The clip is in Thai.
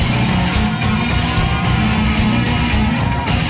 หมวกปีกดีกว่าหมวกปีกดีกว่า